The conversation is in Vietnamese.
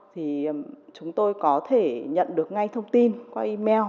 thì chúng tôi có thể nhận được ngay thông tin qua email